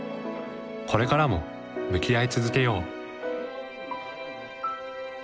これからも向き合い続けよう。